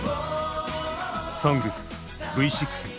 「ＳＯＮＧＳ」Ｖ６。